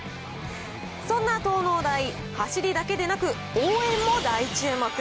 そんな東農大、走りだけでなく、応援も大注目。